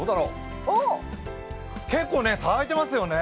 結構咲いてますよね。